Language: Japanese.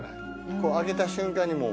こう上げた瞬間にもう。